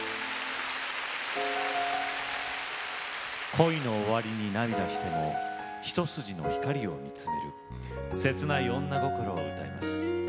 恋の終わりに涙しても一筋の光を見つめる切ない女心を歌います。